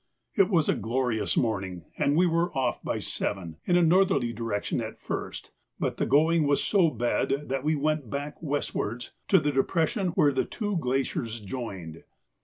It was a glorious morning and we were off by seven, in a northerly direction at first, but the going was so bad that we went back westwards to the depression where the two glaciers joined.